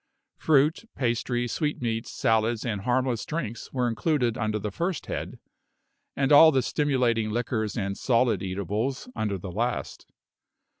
Fruit, pastry, sweetmeats, salads, and harmless drinks were included under the first head, and all the stimulating liquors and solid eatables under the last.